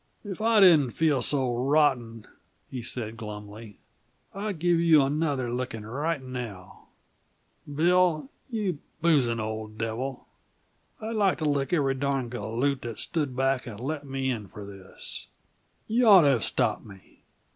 "If I didn't feel so rotten," he said glumly, "I'd give you another licking right now, Bill you boozing old devil. I'd like to lick every darned galoot that stood back and let me in for this. You'd ought to have stopped me.